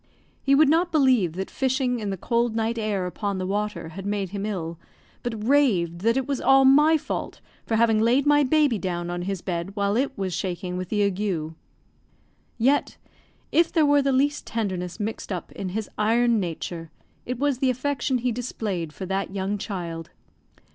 He would not believe that fishing in the cold night air upon the water had made him ill, but raved that it was all my fault for having laid my baby down on his bed while it was shaking with the ague. Yet, if there were the least tenderness mixed up in his iron nature, it was the affection he displayed for that young child.